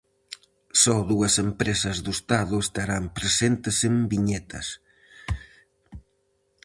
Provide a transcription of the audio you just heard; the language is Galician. So dúas empresas do Estado estarán presentes en Viñetas.